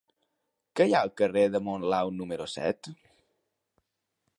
Què hi ha al carrer de Monlau número set?